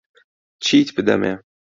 چیت بدەمێ؟